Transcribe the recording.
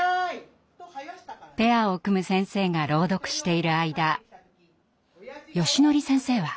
ペアを組む先生が朗読している間よしのり先生は。